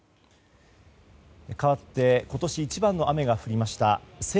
かわって今年一番の雨が降りました